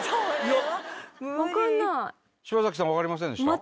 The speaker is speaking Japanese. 柴咲さん分かりませんでした？